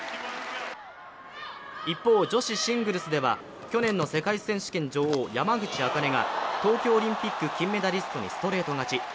一方、女子シングルスでは去年の世界選手権女王、山口茜が東京オリンピック金メダリストにストレート勝ち。